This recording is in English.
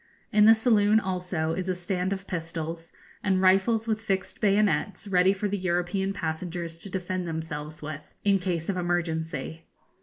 In the saloon, also, is a stand of pistols, and rifles with fixed bayonets, ready for the European passengers to defend themselves with, in case of emergency.